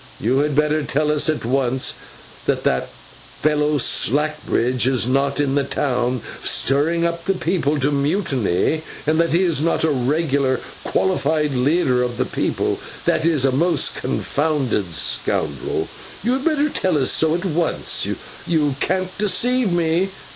You had better tell us at once, that that fellow Slackbridge is not in the town, stirring up the people to mutiny; and that he is not a regular qualified leader of the people: that is, a most confounded scoundrel. You had better tell us so at once; you can't deceive me.